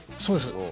そうです。